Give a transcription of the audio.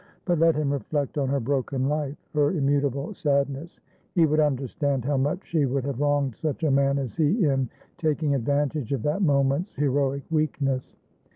But let him reflect on her broken life, her immutable sadness; he would understand how much she would have wronged such a man as he in taking advantage of that moment's heroic weakness.